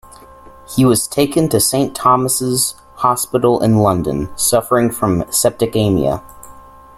He was taken to Saint Thomas' Hospital in London, suffering from septicaemia.